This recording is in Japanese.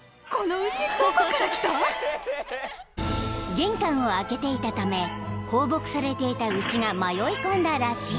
［玄関を開けていたため放牧されていた牛が迷い込んだらしい］